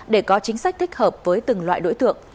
để có chính sách thích hợp với từng loại đối tượng